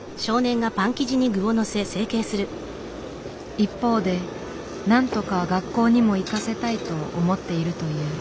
一方でなんとか学校にも行かせたいと思っているという。